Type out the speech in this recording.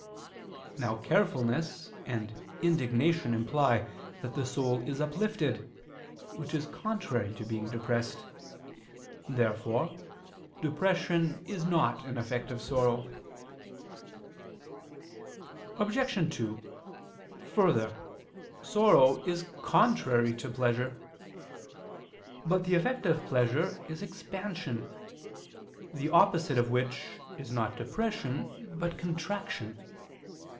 Now carefulness and indignation imply that the soul is uplifted, which is contrary to being depressed. Therefore depression is not an effect of sorrow. Obj. 2: Further, sorrow is contrary to pleasure. But the effect of pleasure is expansion: the opposite of which is not depression but contraction.